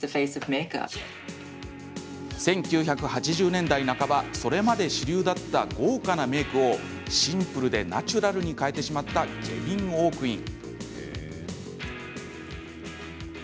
１９８０年代半ばそれまで主流だった豪華なメイクをシンプルでナチュラルに変えてしまったケヴィン・オークイン。